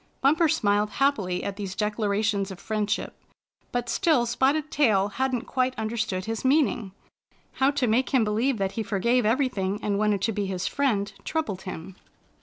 Bumper smiled happily at these declarations of friendship, but still Spotted Tail hadn't quite understood his meaning. How to make him be 96 Bumper wins Spotted Tail's Frienddiip lieve that he forgave everything, and wanted to be his friend, troubled him.